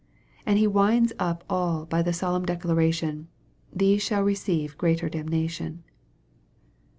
And He winds up all by the solemn declaration, " these shall receive greater damnation."